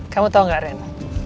kamu tau nggak ren